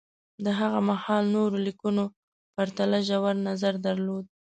د هغه مهال نورو لیکنو پرتله ژور نظر درلود